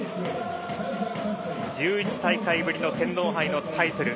１１大会ぶりの天皇杯のタイトル。